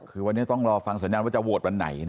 คือวันนี้ต้องรอฟังสัญญาณว่าจะโหวตวันไหน